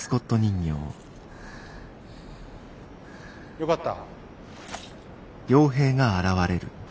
よかった。